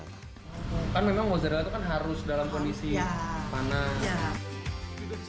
kan memang mozzarella itu kan harus dalam kondisi panas